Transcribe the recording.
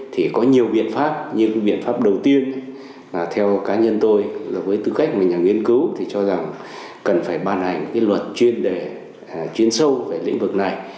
thì có nhiều biện pháp như cái biện pháp đầu tiên là theo cá nhân tôi là với tư cách một nhà nghiên cứu thì cho rằng cần phải ban hành cái luật chuyên đề chuyên sâu về lĩnh vực này